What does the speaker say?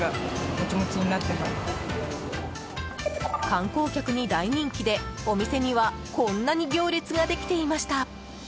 観光客に大人気で、お店にはこんなに行列ができていました。